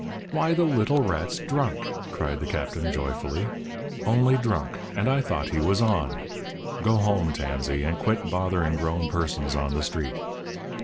"Why, the little rat's drunk!" cried the Captain, joyfully; "only drunk, and I thought he was on! Go home, Tansey, and quit bothering grown persons on the street."